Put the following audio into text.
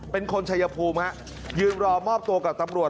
เป็นคนชัยภูมิฮะยืนรอมอบตัวกับตำรวจ